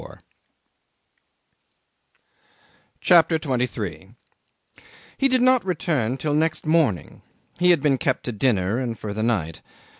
CHAPTER 23 'He did not return till next morning. He had been kept to dinner and for the night.